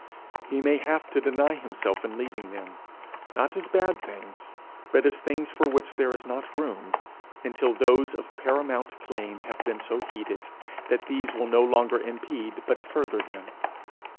He may have to deny himself in leaving them not as bad things, but as things for which there is not room until those of paramount claim have been so heeded, that these will no longer impede but further them.